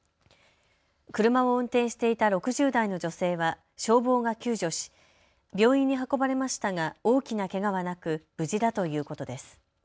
車を運転していた６０代の女性は消防が救助し病院に運ばれましたが大きなけがはなく無事だということです。